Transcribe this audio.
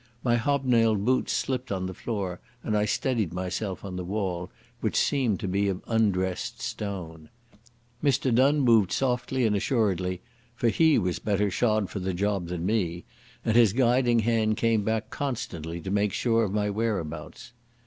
My hobnailed boots slipped on the floor, and I steadied myself on the wall, which seemed to be of undressed stone. Mr Donne moved softly and assuredly, for he was better shod for the job than me, and his guiding hand came back constantly to make sure of my whereabouts.